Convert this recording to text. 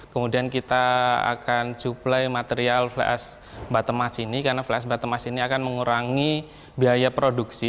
kemudian kita akan cuplai material fleas batemas ini karena fleas batemas ini akan mengurangi biaya produksi